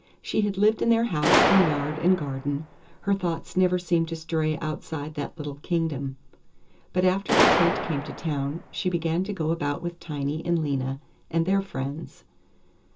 She had lived in their house and yard and garden; her thoughts never seemed to stray outside that little kingdom. But after the tent came to town she began to go about with Tiny and Lena and their friends.